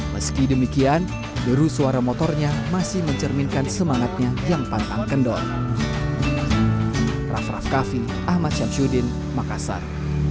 meski demikian deru suara motornya masih mencerminkan semangatnya yang pantang kendor